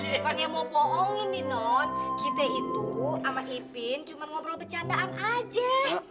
ya kan ya mau poongin di non kita itu ama ipin cuman ngobrol bercandaan aja